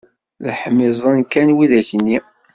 Dehmiẓen kan widak-nni!